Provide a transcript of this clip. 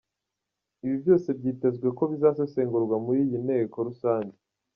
Ibi byose, byitezwe ko bizasesengurwa muri iyi nteko rusange.